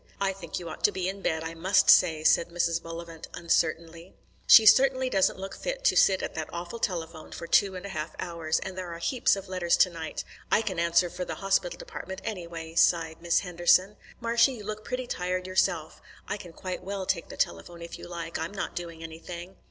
"I think you ought to be in bed, I must say," said Mrs. Bullivant uncertainly. "She certainly doesn't look fit to sit at that awful telephone for two and a half hours; and there are heaps of letters to night. I can answer for the Hospital Department, anyway," sighed Miss Henderson. "Marshy, you look pretty tired yourself. I can quite well take the telephone if you like. I'm not doing anything."